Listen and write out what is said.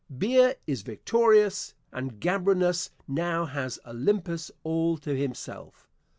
Beer is victorious, and Gambrinus now has Olympus all to himself.